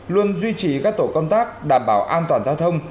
luôn duy trì các tổ công tác đảm bảo an toàn giao thông